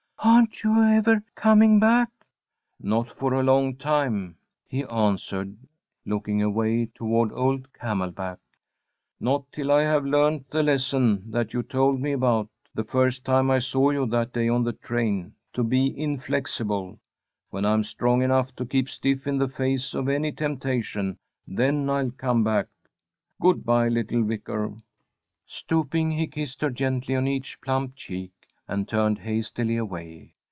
"Aren't you ever coming back?" "Not for a long time," he answered, looking away toward old Camelback. "Not till I've learned the lesson that you told me about, the first time I saw you, that day on the train, to be inflexible. When I'm strong enough to keep stiff in the face of any temptation, then I'll come back. Good bye, little Vicar!" Stooping, he kissed her gently on each plump cheek, and turned hastily away.